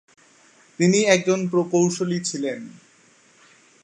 তিনি একজন প্রকৌশলী ছিলেন।